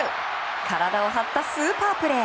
体を張ったスーパープレー！